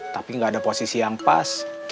tapi nggak ada posisi yang pas